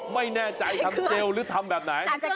ไม่แน่ใจทำเจลหรือทำแบบไหน